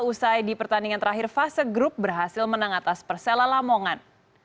usai di pertandingan terakhir fase grup berhasil menang atas persela lamongan